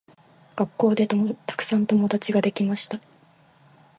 学校でたくさん友達ができました。